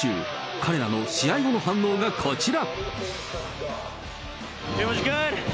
彼らの試合後の反応がこちら。